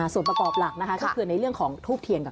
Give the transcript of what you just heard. ส่วนประกอบหลักนะคะก็คือในเรื่องของทูบเทียนก่อน